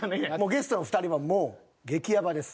ゲストの２人はもう激やばです。